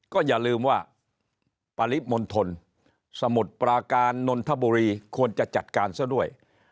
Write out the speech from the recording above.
ก็อย่าลืมว่าปริมณฑลสมุทรปราการนนทบุรีควรจะจัดการซะด้วย